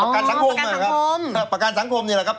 อ๋อประกันสังคมประกันสังคมนี่แหละครับ